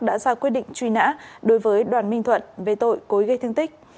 đã ra quyết định truy nã đối với đoàn minh thuận về tội cối gây thương tích